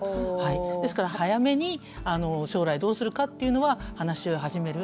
ですから早めに将来どうするかっていうのは話し合いを始める。